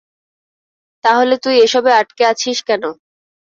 তাহলে তুই এসবে আটকে আছিস কেন?